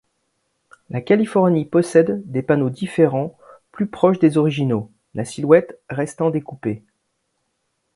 La Californie possède des panneaux différents, plus proches des originaux, la silhouette restant découpée.